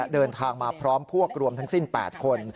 เดินทางมาพร้อมพวกรวมทั้งสิ้น๘คน